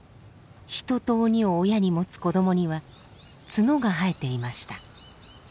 人と鬼を親に持つ子どもには角が生えていました。